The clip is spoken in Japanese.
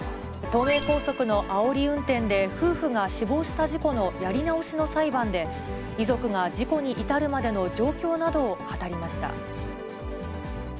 東名高速のあおり運転で、夫婦が死亡した事故のやり直しの裁判で、遺族が事故に至るまでの状況などを語りました。